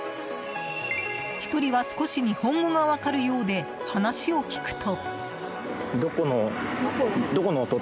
１人は少し日本語が分かるようで話を聞くと。